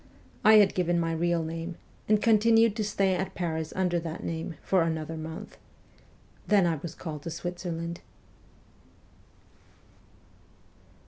I had given my real name, and continued to stay at Paris under that name for another month. Then I was called to Switzerland.